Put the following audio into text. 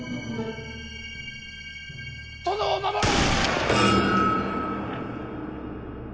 殿を守れ！